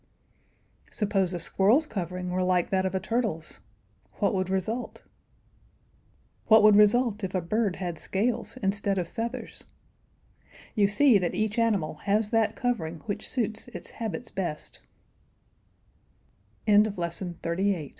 Suppose a squirrel's covering were like that of a turtle's, what would result? What would result if a bird had scales instead of feathers? You see that each animal has that covering which suits its habits best. LESSON XXXIX. USES OF ANIMALS.